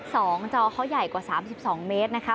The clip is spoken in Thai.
สองจอเขาใหญ่กว่า๓๒เมตรนะคะ